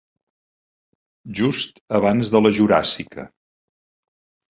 Just abans de la juràssica.